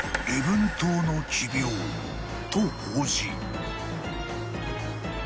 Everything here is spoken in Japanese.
［と報じ］